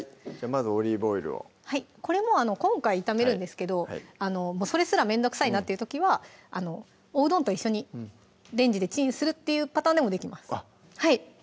まずオリーブオイルをこれ今回炒めるんですけどそれすらめんどくさいなっていう時はおうどんと一緒にレンジでチンするっていうパターンでもできます